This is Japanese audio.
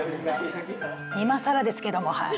今更ですけどもはい。